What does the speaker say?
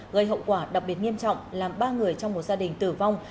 gây hậu quả đặc biệt nghiêm trọng làm ba người trong một gia đình tử vong